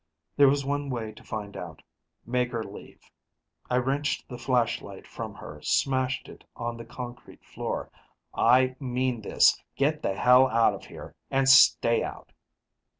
There was one way to find out: make her leave. I wrenched the flashlight from her, smashed it on the concrete floor. "I mean this: get the hell out of here, and stay out!"